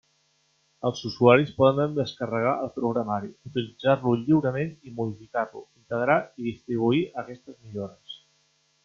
Els usuaris poden descarregar el programari, utilitzar-lo lliurement i modificar-lo, integrar i distribuir aquestes millores.